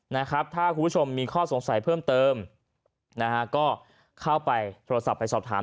นะครับถ้าคุณผู้ชมมีข้อสงสัยเพิ่มเติมนะฮะก็เข้าไปโทรศัพท์ไปสอบถาม